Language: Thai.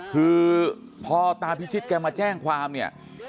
คือพอตาพิชิตแกมาแจ้งความเนี่ย